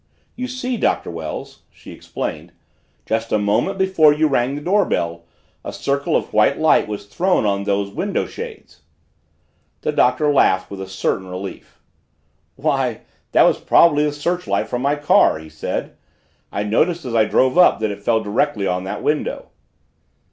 "You see, Doctor Wells," she explained, "just a moment before you rang the doorbell a circle of white light was thrown on those window shades." The Doctor laughed with a certain relief. "Why, that was probably the searchlight from my car!" he said. "I noticed as I drove up that it fell directly on that window."